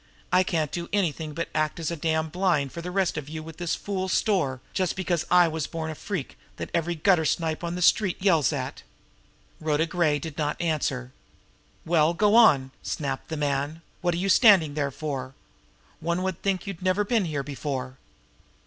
I can't do anything but act as a damned blind for the rest of you with this fool store, just because I was born a freak that every gutter snipe on the street yells at!" Rhoda Gray did not answer. "Well, go on!" snapped the man. "What are you standing there for? One would think you'd never been here before!"